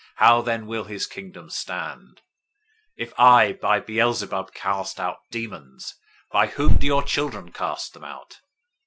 How then will his kingdom stand? 012:027 If I by Beelzebul cast out demons, by whom do your children cast them out?